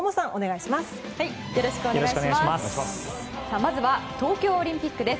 まずは東京オリンピックです。